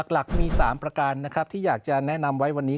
หลักมี๓ประการนะครับที่อยากจะแนะนำไว้วันนี้